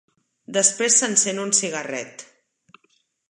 Després s'encén un cigarret.